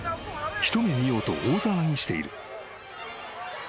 一目見ようと大騒ぎしている］